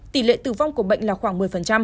tỷ lệ tử vong của bệnh là khoảng một mươi